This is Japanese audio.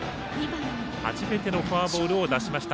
初めてのフォアボールを出しました。